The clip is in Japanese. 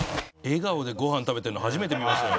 笑顔でご飯食べてるの初めて見ましたよ。